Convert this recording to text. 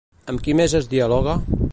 Amb qui més es dialoga?